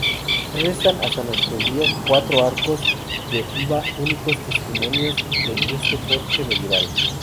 Restan hasta nuestros días, cuatro arcos de ojiva, únicos testimonios de este porche medieval.